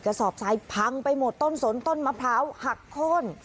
สอบซ้ายพังไปหมดต้นสนต้นมะพร้าวหักโค้น